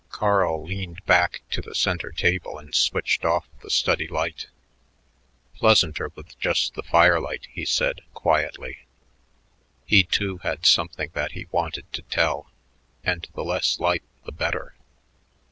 Carl leaned back to the center table and switched off the study light. "Pleasanter with just the firelight," he said quietly. He, too, had something that he wanted to tell, and the less light the better.